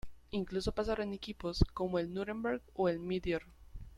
Incluso pasaron equipos como el Núremberg o el Meteor.